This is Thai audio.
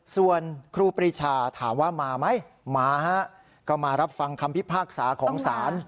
ส่วนครูปรีชาถามว่ามาไหมมาฮะก็มารับฟังคำพิพากษาของศาล